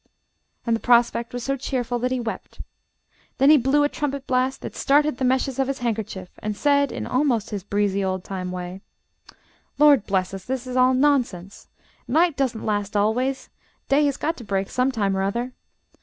And the prospect was so cheerful that he wept. Then he blew a trumpet blast that started the meshes of his handkerchief, and said in almost his breezy old time way: "Lord bless us, this is all nonsense! Night doesn't last always; day has got to break some time or other.